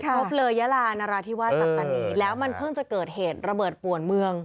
ครับเหลยรานารฐิวาสพัตนีร์แล้วมันเพิ่งเขิดเหตุระเบิดป่วนเมือง